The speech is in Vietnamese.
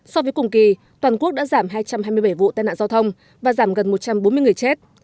so với cùng kỳ toàn quốc đã giảm hai trăm hai mươi bảy vụ tai nạn giao thông và giảm gần một trăm bốn mươi người chết